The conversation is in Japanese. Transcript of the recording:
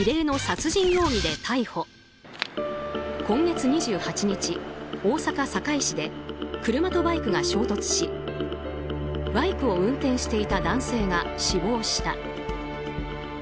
今月２８日、大阪・堺市で車とバイクが衝突しバイクを運転していた男性が死亡した。